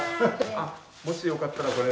あら！もしよかったらこれ。